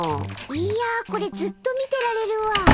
いやあこれずっと見てられるわ。